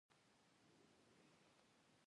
بادام د افغانستان د طبیعت د ښکلا یوه برخه ده.